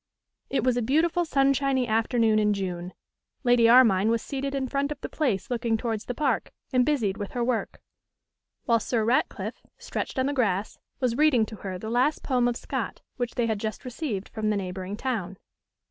It was a beautiful sunshiny afternoon in June. Lady Armine was seated in front of the Place looking towards the park, and busied with her work; while Sir Ratcliffe, stretched on the grass, was reading to her the last poem of Scott, which they had just received from the neighbouring town.